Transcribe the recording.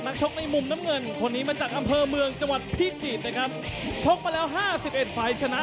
และนี่คือประสบความสุข